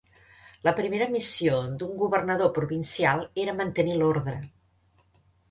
La primera missió d'un governador provincial era mantenir l'ordre.